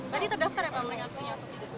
jadi terdaftar ya pak mereka aksinya